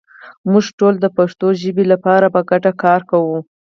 موږ ټول د پښتو ژبې لپاره په ګډه کار کوو.